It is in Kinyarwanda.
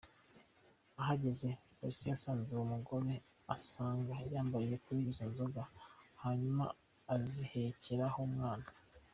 Ahageze, Polisi yasatse uwo mugore isanga yambariye kuri izo nzoga; hanyuma azihekera ho umwana.